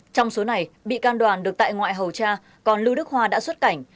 trong số này bị can đoàn được tại ngoại hầu tra còn lưu đức hoa đã xuất cảnh